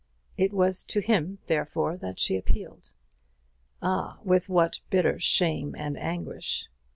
It was to him therefore she appealed. Ah, with what bitter shame and anguish!